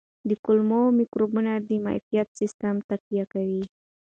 د کولمو مایکروبونه د معافیت سیستم تقویه کوي.